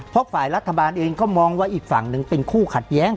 เพราะฝ่ายรัฐบาลเองก็มองว่าอีกฝั่งหนึ่งเป็นคู่ขัดแย้ง